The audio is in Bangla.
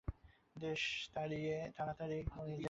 দেশে তাড়াতাড়ি যেয়ে ফল নাই।